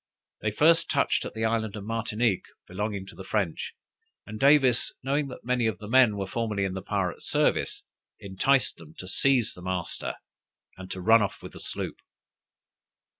They first touched at the island of Martinique, belonging to the French, and Davis knowing that many of the men were formerly in the pirate service, enticed them to seize the master, and to run off with the sloop.